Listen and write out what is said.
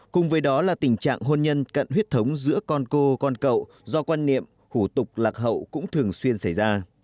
cùng với đó là tình trạng hôn nhân cận huyết thống giữa con cô con cậu do quan niệm hủ tục lạc hậu cũng thường xuyên xảy ra